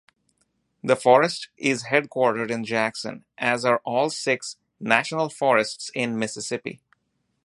The forest is headquartered in Jackson, as are all six National Forests in Mississippi.